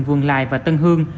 vườn lài và tân hương